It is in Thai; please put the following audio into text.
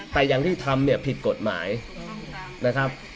แต่อย่างที่ทำเนี่ยผิดกฎหมายนะครับ